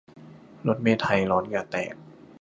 รถเมล์ไทยร้อนเหงื่อแตก